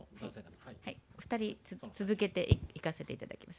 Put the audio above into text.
２人続けていかせていただきます。